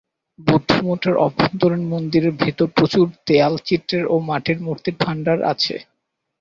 বৌদ্ধ মঠের অভ্যন্তরীন মন্দিরের ভিতরে প্রচুর দেয়াল চিত্রের ও মাটির মূর্তির ভাণ্ডার আছে।